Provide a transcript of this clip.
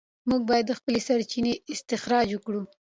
موږ باید خپلې سرچینې استخراج کړو.